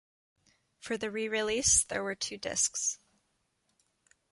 For the re-release, there were two discs.